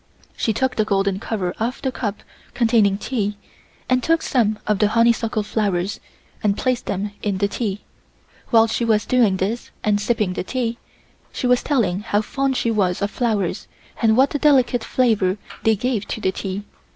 She took the golden cover off of the cup containing tea and took some of the honeysuckle flowers and placed them in the tea. While she was doing this and sipping the tea, she was telling how fond she was of flowers and what a delicate flavor they gave to the tea.